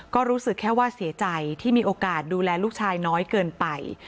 ก็รู้สึกแค่ว่าเสียใจที่มีโอกาสดูแลลูกชายน้อยเกินไป